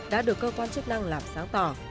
đã được cơ quan chức năng làm sáng tỏ